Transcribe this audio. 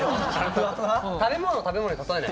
食べ物を食べ物に例えないで。